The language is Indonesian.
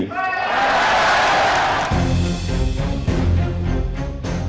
yang kita dukung ada di sini